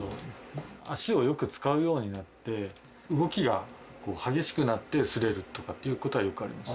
脚をよく使うようになって、動きが激しくなって、すれるとかっていうことはよくあります。